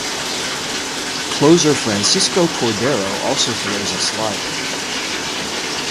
Closer Francisco Cordero also throws a slider.